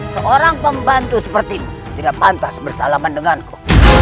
seorang pembantu sepertimu tidak pantas bersalaman denganku